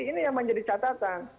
ini yang menjadi catatan